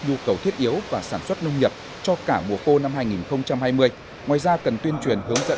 nhu cầu thiết yếu và sản xuất nông nghiệp cho cả mùa khô năm hai nghìn hai mươi ngoài ra cần tuyên truyền hướng dẫn